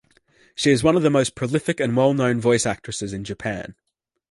She is one of the most prolific and well-known voice actresses in Japan.